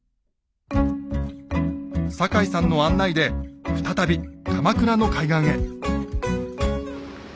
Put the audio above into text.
坂井さんの案内で再び鎌倉の海岸へ。